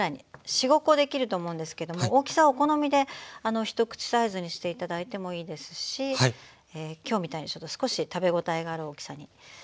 ４５コできると思うんですけども大きさはお好みで一口サイズにして頂いてもいいですし今日みたいに少し食べ応えがある大きさにしてもいいと思います。